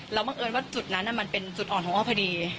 แล้วบังเอิญว่าจุดนั้นมันเป็นจุดอ่อนของอ้อพอดี